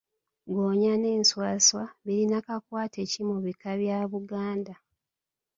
Ggoonya n’enswaswa birina kakwate ki mu bika bya Buganda?